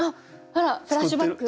あらフラッシュバック？